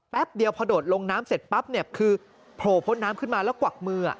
เดียวพอโดดลงน้ำเสร็จปั๊บเนี่ยคือโผล่พ้นน้ำขึ้นมาแล้วกวักมือ